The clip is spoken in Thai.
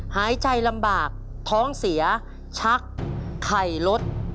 หายใจลำบากท้องเสียชักไข่รถ